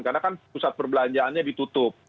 karena kan pusat perbelanjaannya ditutup